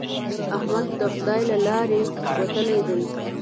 احمد د خدای له لارې وتلی دی.